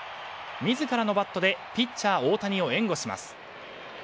自らのバットでピッチャー大谷を援護します。